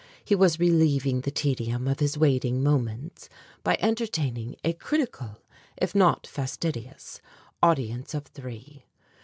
He wag relieving the tedium of his waiting moments by entertaining a critical if not fastidious audience of three.